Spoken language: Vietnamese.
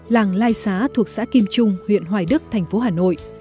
làng lai xá thuộc xã kim trung huyện hoài đức thành phố hà nội